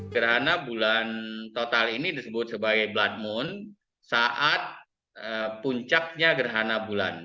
gerhana bulan total ini disebut sebagai blood moon saat puncaknya gerhana bulan